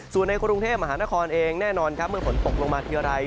ส่วนในกรุงเทพมหานครเองแน่นอนครับเมื่อฝนตกลงมาทีอะไร